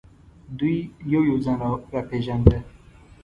دوی یو یو ځان را پېژانده.